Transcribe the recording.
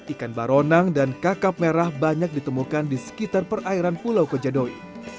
ikan baronang dan kakap merah banyak ditemukan di sekitar perairan pulau kojadoi